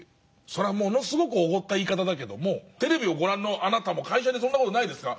それはものすごくおごった言い方だけどもテレビをご覧のあなたも会社でそんな事ないですか？